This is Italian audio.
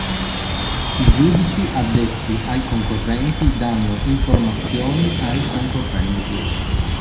I giudici addetti ai concorrenti danno informazioni ai concorrenti